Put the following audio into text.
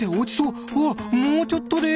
うわっもうちょっとで！